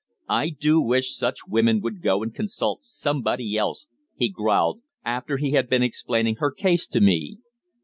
"I do wish such women would go and consult somebody else," he growled, after he had been explaining her case to me.